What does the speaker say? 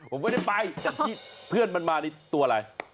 ผมไม่ได้ไปเพื่อนมันมาจะเป็นตัวอะไร